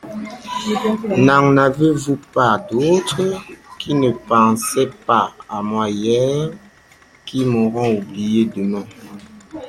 N'en avez-vous pas d'autres ? Qui ne pensaient pas à moi hier, qui m'auront oublié demain.